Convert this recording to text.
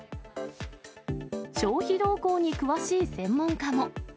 消費動向に詳しい専門家も。